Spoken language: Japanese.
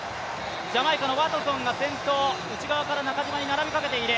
ジャマイカのワトソンが先頭、内側から中島に並びかけている。